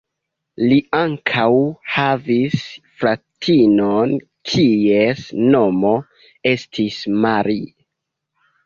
Li ankaŭ havis fratinon kies nomo estis Marie.